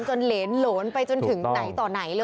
เหรนโหลนไปจนถึงไหนต่อไหนเลย